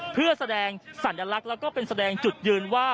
เพื่อแสดงสัญลักษณ์แล้วก็เป็นแสดงจุดยืนว่า